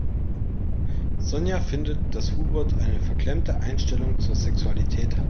Sonja findet, dass Hubert eine verklemmte Einstellung zur Sexualität hat.